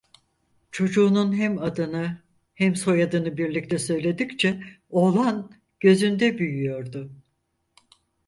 Çocuğunun hem adını, hem soyadını birlikte söyledikçe oğlan gözünde büyüyordu.